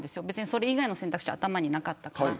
それ以外の選択肢が頭になかったから。